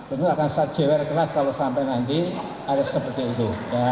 itu akan saya jewer keras kalau sampai nanti harus seperti itu